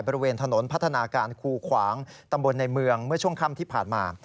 บริเวณถนนพัฒนาการคูขวางตำบลในเมืองเมื่อช่วงค่ำที่ผ่านมา